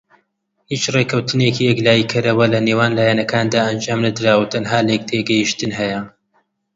هیچ ڕێککەوتنێکی یەکلایی کەرەوە لەنێوان لایەنەکاندا ئەنجام نەدراوە و تەنها لێکتێگەیشتن هەیە.